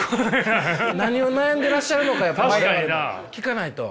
何を悩んでらっしゃるのかやっぱ我々も聞かないと。